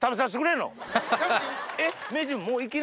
えっ！